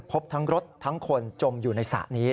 พบทั้งรถทั้งคนจมอยู่ในสระนี้